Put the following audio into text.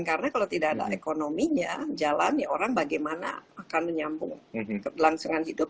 karena kalau tidak ada ekonominya jalan ya orang bagaimana akan menyambung ke langsungan hidup